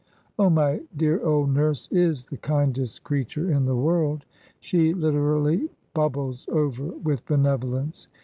"Oh, my dear old nurse is the kindest creature in the world. She literally bubbles over with benevolence.